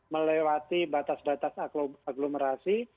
melewati batas batas aglomerasi